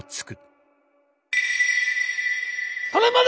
それまで！